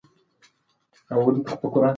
علمي اجماع دا ده چې ډېر خوراک روغتیا ته ښه نه دی.